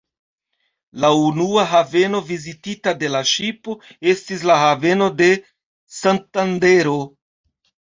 La unua haveno vizitita de la ŝipo estis la haveno de Santandero.